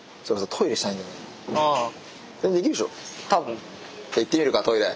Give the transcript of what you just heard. ん？じゃ行ってみるかトイレ。